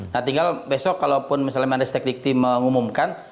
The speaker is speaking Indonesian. nah tinggal besok kalau misalnya mandiristik dikti mengumumkan